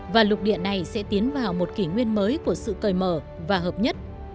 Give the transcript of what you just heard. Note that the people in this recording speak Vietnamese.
và lục điện này sẽ tiến vào một kỷ nguyên mới của sự cười mở và hợp nhất